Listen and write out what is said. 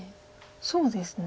そうですね。